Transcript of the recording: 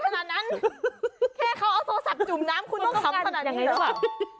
แค่เขาเอาโทรศัพท์จุ่มน้ำคุณต้องขำขนาดนี้หรือเปล่า